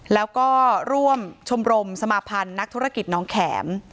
แล้วก็ร่วมชมรมสมาพันธ์นักธุรกิจน้องแข็ม